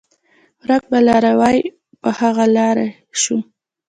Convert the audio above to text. ورک به لاروی په هغه لوري شو